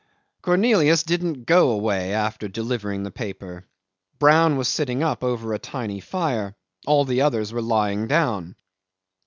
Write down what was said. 'Cornelius didn't go away after delivering the paper. Brown was sitting up over a tiny fire; all the others were lying down.